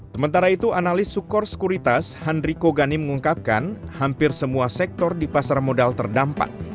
sementara itu analis sukorskuritas handriko ganim mengungkapkan hampir semua sektor di pasar modal terdampak